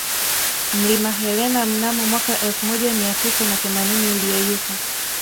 Mlima Helena mnamo mwaka elfu moja miatisa na themanini uliyeyuka